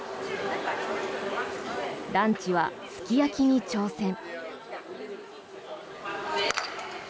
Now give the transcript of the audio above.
ランチはすき焼きに挑戦。